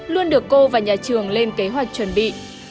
luôn được cô và nhà trường lên kế hoạch chuẩn bị